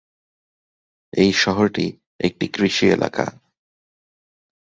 এই শহরটি একটি কৃষি এলাকা।